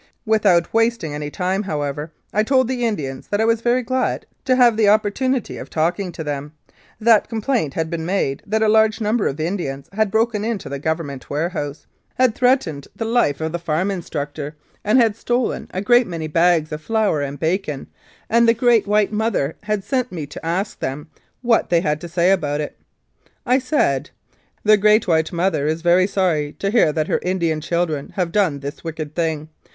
Without wasting any time, however, I told the Indians that I was very glad to have the opportunity of talking to them that complaint had been made that a large number of Indians had broken into the Govern ment warehouse, had threatened the life of the farm H3 Mounted Police Life in Canada instructor, and had stolen a great many bags of flour and bacon, and that the Great White Mother had sent me to ask them what they had to say about it. I said, "The Great White Mother is very sorry to hear that her Indian children have done this wicked thing.